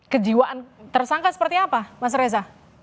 kejiwaan tersangka seperti apa mas reza